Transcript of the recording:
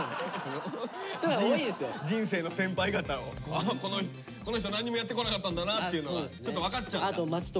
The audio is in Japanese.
やっぱりこの人何にもやってこなかったんだなっていうのがちょっと分かっちゃうんだ。